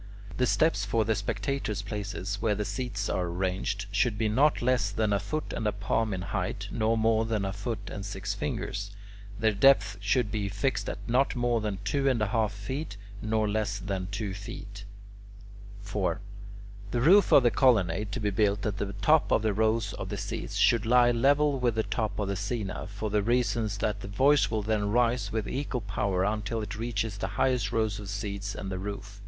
The steps for the spectators' places, where the seats are arranged, should be not less than a foot and a palm in height, nor more than a foot and six fingers; their depth should be fixed at not more than two and a half feet, nor less than two feet. [Illustration: THE ROMAN THEATRE ACCORDING TO VITRUVIUS] 4. The roof of the colonnade to be built at the top of the rows of seats, should lie level with the top of the "scaena," for the reason that the voice will then rise with equal power until it reaches the highest rows of seats and the roof.